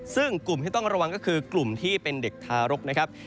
ซึ่งกลุ่มที่ต้องระวังก็คือกลุ่มที่เป็นเด็กทารกนะครับ